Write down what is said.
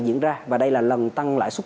diễn ra và đây là lần tăng lại suất